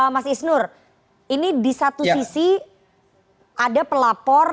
mas isnur ini di satu sisi ada pelapor